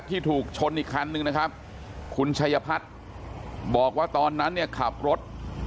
ที่ถูกชนอีกคันนึงนะครับคุณชัยพัฒน์บอกว่าตอนนั้นเนี่ยขับรถ